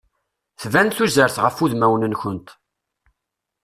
Tban tuzert ɣef udmawen-nkent.